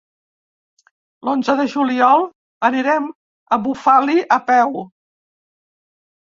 L'onze de juliol anirem a Bufali a peu.